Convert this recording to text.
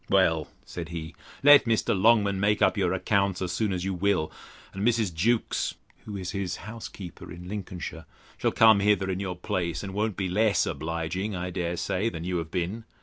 Well, said he, let Mr. Longman make up your accounts, as soon as you will; and Mrs. Jewkes (who is his housekeeper in Lincolnshire) shall come hither in your place, and won't be less obliging, I dare say, than you have been.